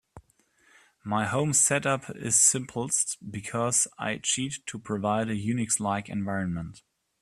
My home set up is simplest, because I cheat to provide a UNIX-like environment.